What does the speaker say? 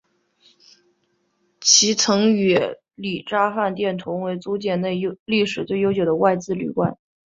其曾与礼查饭店同为租界内历史最悠久的外资旅馆。